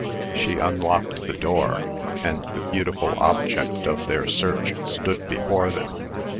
She unlocked the door, and the beautiful object of their search stood before them.